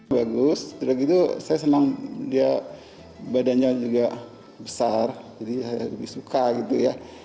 bagus saya senang dia badannya juga besar jadi lebih suka gitu ya